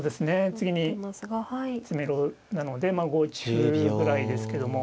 次に詰めろなので５一歩ぐらいですけども。